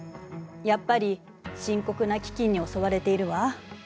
やっぱり深刻な飢饉に襲われているわ。